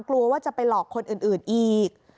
กลัวว่าจะไปหลอกคนอื่นอีก